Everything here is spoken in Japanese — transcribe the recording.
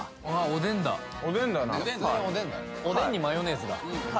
おでんにマヨネーズだ